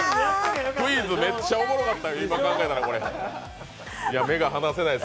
クイズめっちゃおもろかった。